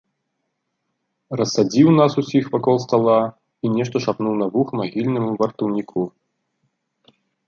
Рассадзіў нас усіх вакол стала і нешта шапнуў на вуха магільнаму вартаўніку.